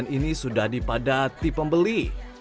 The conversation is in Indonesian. ini sudah dipadati pembeli